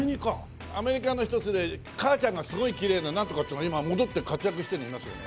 アメリカの一つで母ちゃんがすごいきれいななんとかっていうのが今戻って活躍してるのいますよね？